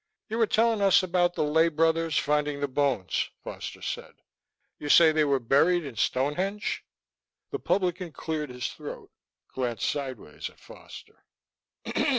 "You were telling us about the lay brother's finding the bones," Foster said. "You say they were buried in Stonehenge?" The publican cleared his throat, glanced sideways at Foster.